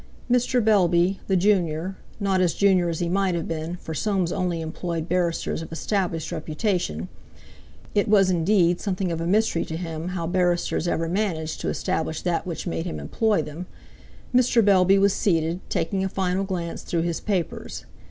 Mr. Bellby, the junior—not as junior as he might have been, for Soames only employed barristers of established reputation; it was, indeed, something of a mystery to him how barristers ever managed to establish that which made him employ them—Mr. Bellby was seated, taking a final glance through his papers.